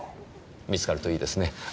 見つかるといいですね。